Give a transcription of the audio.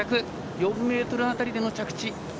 ４ｍ辺りでの着地。